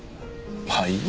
はい？